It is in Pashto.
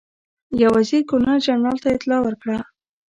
یو وزیر ګورنر جنرال ته اطلاع ورکړه.